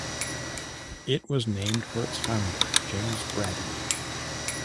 It was named for its founder, James Braddy.